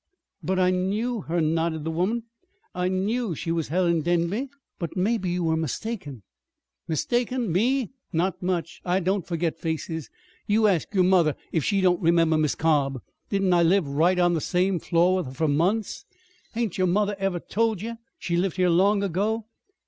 "But I knew her," nodded the woman. "I knew she was Helen Denby." "But maybe you were mistaken." "Mistaken? Me? Not much! I don't furgit faces. You ask yer mother if she don't remember Mis' Cobb. Didn't I live right on the same floor with her fur months? Hain't yer mother ever told ye she lived here long ago?"